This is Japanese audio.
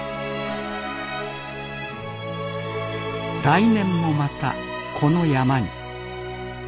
来年もまたこの山に。